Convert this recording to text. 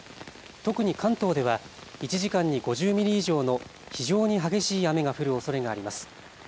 特に関東では１時間に５０ミリ以上の非常に激しい雨が降るおそれがあります。